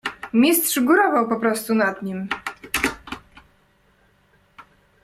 "Mistrz górował poprostu nad nim."